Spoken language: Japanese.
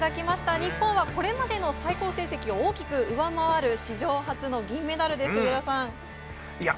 日本はこれまでの最高成績を大きく上回る史上初の銀メダルです。